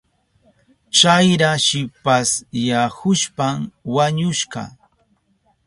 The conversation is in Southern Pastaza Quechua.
Chayra shipasyahushpan wañushka.